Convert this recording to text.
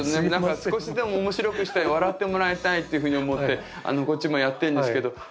少しでも面白くしたい笑ってもらいたいっていうふうに思ってこっちもやってんですけどそうでしょうね。